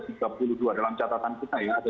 dalam catatan kita ya